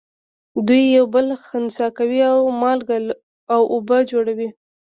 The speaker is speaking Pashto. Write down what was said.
دوی یو بل خنثی کوي او مالګه او اوبه جوړوي.